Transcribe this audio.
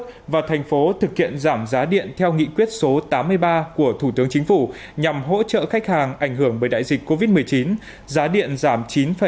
cục thống kê thành phố thực kiện giảm giá điện theo nghị quyết số tám mươi ba của thủ tướng chính phủ nhằm hỗ trợ khách hàng ảnh hưởng bởi đại dịch covid một mươi chín giá điện giảm chín bốn mươi tám